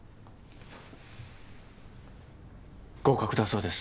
合格だそうです。